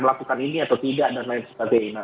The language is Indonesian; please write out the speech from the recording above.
melakukan ini atau tidak dan lain sebagainya